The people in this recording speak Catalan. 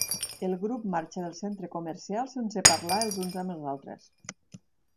El grup marxa del centre comercial sense parlar els uns amb els altres.